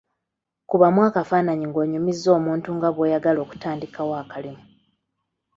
Kubamu akafaananyi ng’onyumiza omuntu nga bw’oyagala okutandikawo akalimu.